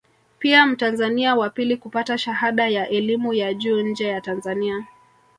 Pia mtanzania wa pili kupata shahada ya elimu ya juu nje ya Tanzania